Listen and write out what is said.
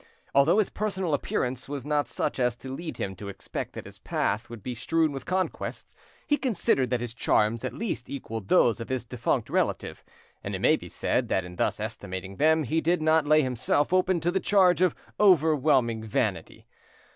Although his personal appearance was not such as to lead him to expect that his path would be strewn with conquests, he considered that his charms at least equalled those of his defunct relative; and it may be said that in thus estimating them he did not lay himself—open to the charge of overweening vanity.